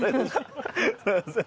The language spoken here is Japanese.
すいません。